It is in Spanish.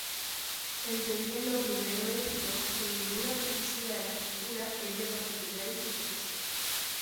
Entendiendo primero esto, que ninguna profecía de la Escritura es de particular interpretación;